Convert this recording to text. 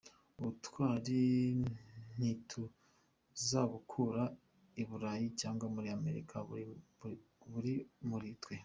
Ubutwari ntituzabukura i Burayi cyangwa muri Amerika buri muri twe